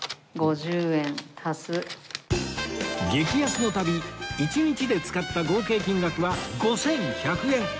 激安の旅１日で使った合計金額は５１００円